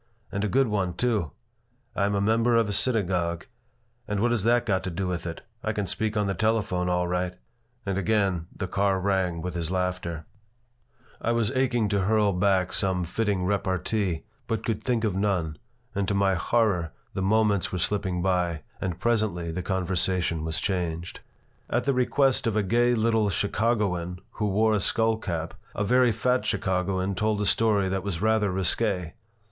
"And a good one, too. I am a member of a synagogue. But what has that got to do with it? I can speak on the telephone, all right." And again the car rang with his laughter I was aching to hurl back some fitting repartee, but could think of none, and to my horror the moments were slipping by, and presently the conversation was changed At the request of a gay little Chicagoan who wore a skull cap a very fat Chicagoan told a story that was rather risqué.